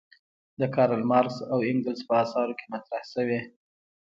د کارل مارکس او انګلز په اثارو کې مطرح شوې.